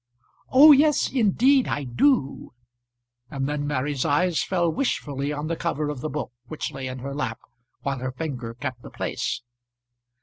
"Oh, yes, indeed I do;" and then Mary's eyes fell wishfully on the cover of the book which lay in her lap while her finger kept the place.